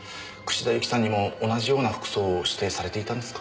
串田ユキさんにも同じような服装を指定されていたんですか？